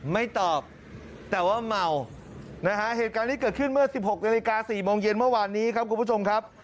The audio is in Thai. ไม่ตอบแต่ว่าเมานะฮะเหตุการณ์นี้เกิดขึ้นเมื่อ๑๖นาฬิกา๔โมงเย็นเมื่อวานนี้ครับคุณผู้ชมครับ